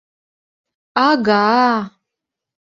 Ага-а-а...